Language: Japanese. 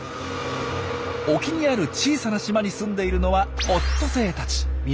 沖にある小さな島に住んでいるのはオットセイたち。